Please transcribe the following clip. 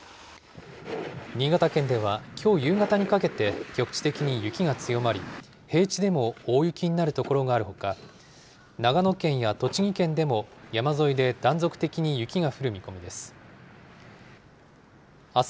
新潟県では、きょう夕方にかけて局地的に雪が強まり、平地でも大雪になる所があるほか、長野県や栃木県でも山沿いで断続的に雪が降る見込みです。